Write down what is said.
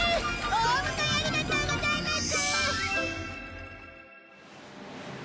お迎えありがとうございます！